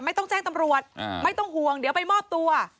ไม่ต้องแจ้งตำรวจไม่ต้องห่วงเดี๋ยวไปมอบตัว